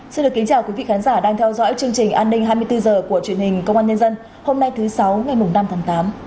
xin được kính chào quý vị khán giả đang theo dõi chương trình an ninh hai mươi bốn h của truyền hình công an nhân dân hôm nay thứ sáu ngày năm tháng tám